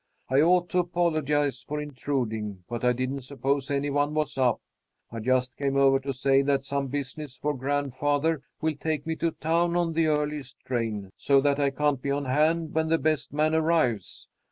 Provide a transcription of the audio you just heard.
I ought to apologize for intruding, but I didn't suppose any one was up. I just came over to say that some business for grandfather will take me to town on the earliest train, so that I can't be on hand when the best man arrives.